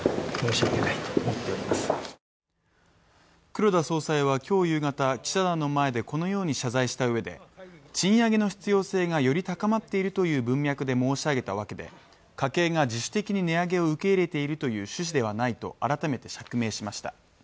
黒田総裁は今日夕方、記者団の前でこのように謝罪したうえで、賃上げの必要性がより高まっているという文脈で申し上げたわけで、家計が自主的に値上げを受け入れている趣旨ではないと改めて釈明しました。